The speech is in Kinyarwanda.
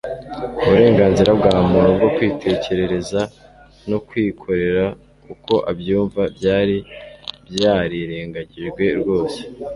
Uburenganzira bwa muntu bwo kwitekerereza no kwikorera uko abytunva byari byarirengagijwe rwose.